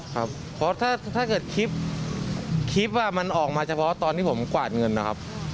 ครับเพราะถ้าเกิดคลิปคลิปมันออกมาเฉพาะตอนที่ผมกวาดเงินนะครับ